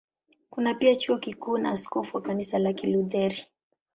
Kuna pia Chuo Kikuu na askofu wa Kanisa la Kilutheri.